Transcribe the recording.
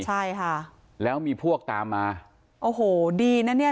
ใช่ค่ะแล้วมีพวกตามมาโอ้โหดีนะเนี่ย